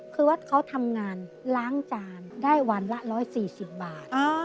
คือวัดเขาทำงานล้างจานได้วันละ๑๔๐บาท